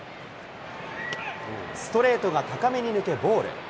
ストレートが高めに抜け、ボール。